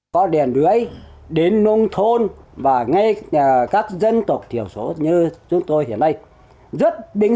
có điện lưới đến nông thôn và ngay các dân tộc thiểu số như chúng tôi hiện nay rất bình